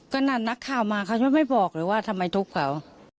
ก็นั่นนักข่าวมาเขาจะไม่บอกเลยว่าทำไมทุบเขา